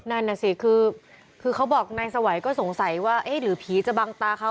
นั่นน่ะสิคือเขาบอกนายสวัยก็สงสัยว่าเอ๊ะหรือผีจะบังตาเขา